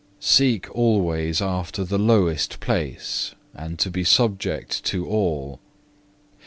Seek always after the lowest place, and to be subject to all.